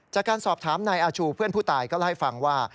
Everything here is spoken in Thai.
จากการสอบถามนายอาชูเพื่อนผู้ตายก็เล่าให้ฟังว่า